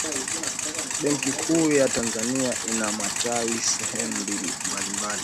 benki kuu ya tanzania ina matawi sehemu mbalimbali